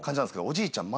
おじいちゃん